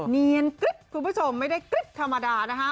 เนียนกริ๊บคุณผู้ชมไม่ได้กริ๊บธรรมดานะคะ